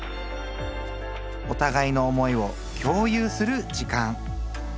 おたがいの思いを共有する時間。